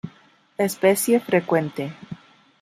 Especie frecuente.